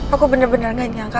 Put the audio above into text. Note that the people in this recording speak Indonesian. aku benar benar gak nyangka